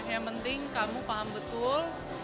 yang penting kamu paham betul